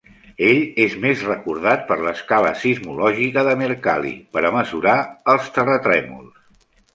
Ell és més recordat per l'escala sismològica de Mercalli per a mesurar els terratrèmols.